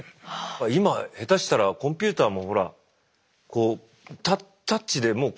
今下手したらコンピューターもほらこうタッチでもう。